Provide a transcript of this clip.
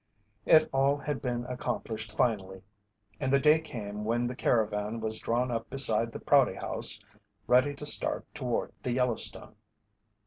It all had been accomplished finally, and the day came when the caravan was drawn up beside the Prouty House ready to start toward the Yellowstone.